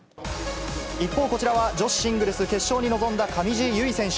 一方、こちらは女子シングルス決勝に臨んだ上地結衣選手。